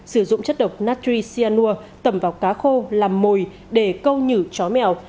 sử dụng chất độc natricianur tẩm vào cá khô làm mồi để câu nhử chó mèo